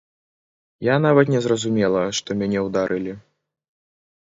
Я нават не зразумела, што мяне ударылі.